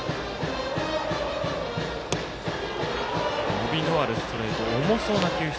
伸びのあるストレート重そうな球質。